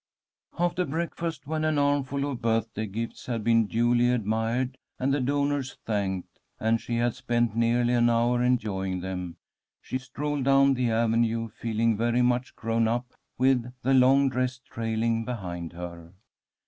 After breakfast, when an armful of birthday gifts had been duly admired and the donors thanked, and she had spent nearly an hour enjoying them, she strolled down the avenue, feeling very much grown up with the long dress trailing behind her.